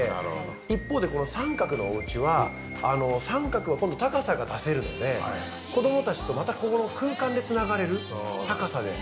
一方でこの三角のお家は三角は今度高さが出せるので子供たちとまたここの空間で繋がれる高さで。